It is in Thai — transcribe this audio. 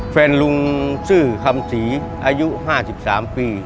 แฟนลุงชื่อคำศรีอายุ๕๓ปี